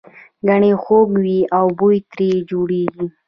ګنی خوږ وي او بوره ترې جوړیږي